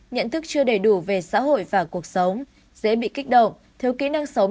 nhận thức chưa đầy đủ về xã hội và cuộc sống dễ bị kích động